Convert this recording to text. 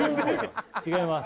違います